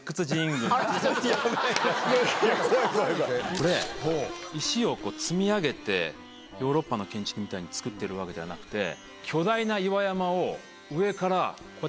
これ石を積み上げてヨーロッパの建築みたいに造ってるわけではなくて巨大な岩山を上からこうやって彫っていく。